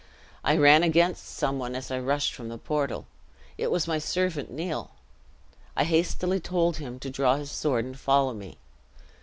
I ran against some one as I rushed from the portal; it was my servant Neil. I hastily told him to draw his sword and follow me.